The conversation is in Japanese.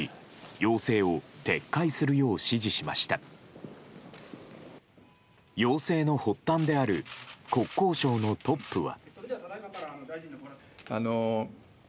要請の発端である国交省のトップは。